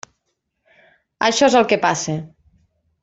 Això és el que passa.